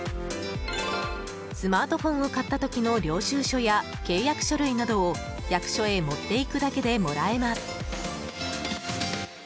スマートフォンを買った時の領収書や契約書類などを役所へ持っていくだけでもらえます。